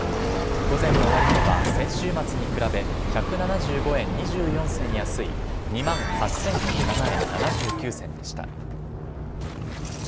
午前の終値は先週末に比べ、１７５円２４銭安い、２万８１０７円７９銭でした。